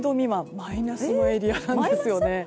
マイナスのエリアなんです。